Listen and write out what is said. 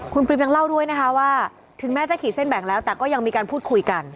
คุณปริมยังเล่าด้วยนะคะว่าถึงแม้จะขีดเส้นแบ่งแล้วแต่ก็ยังมีการพูดคุยกัน